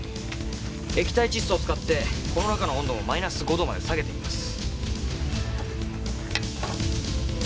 液体窒素を使ってこの中の温度もマイナス５度まで下げてみます。